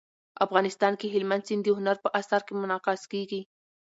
افغانستان کې هلمند سیند د هنر په اثار کې منعکس کېږي.